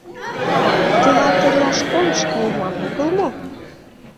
— Тылат эрла школыш кайыман огыл мо?